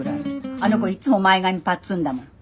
あの子いっつも前髪パッツンだもの。